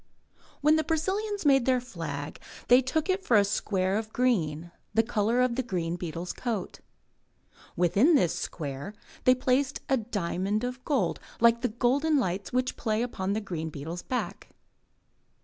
When the Brazilians made their flag, they took for it a square of green, the colour of the green beetle's coat. Within this square they placed a diamond of gold like the golden lights which play upon the green beetle's back.